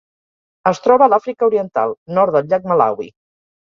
Es troba a l'Àfrica Oriental: nord del llac Malawi.